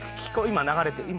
今流れてる。